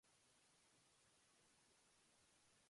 The juice wasn't worth the squeeze.